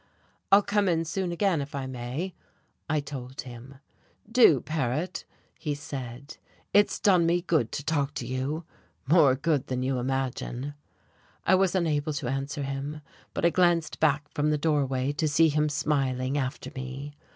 "I'll come in soon again, if I may," I told him. "Do, Paret," he said, "it's done me good to talk to you more good than you imagine." I was unable to answer him, but I glanced back from the doorway to see him smiling after me.